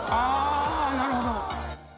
あなるほど。